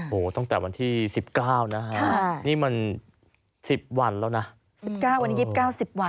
โอ้โหตั้งแต่วันที่๑๙นะฮะนี่มัน๑๐วันแล้วนะ๑๙วันนี้๒๙๐วัน